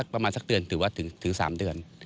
ประมาณสักเดือนถือว่าถึง๓เดือน